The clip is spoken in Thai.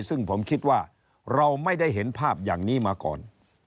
ซึ่งผมคิดว่าเราไม่ได้เห็นภาพอย่างนี้มาก่อน